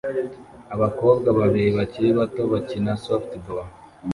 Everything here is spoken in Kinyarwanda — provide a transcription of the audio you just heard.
Abakobwa babiri bakiri bato bakina softball